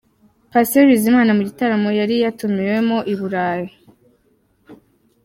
Patient Bizimana mu gitaramo yari yatumiwemo i burayi.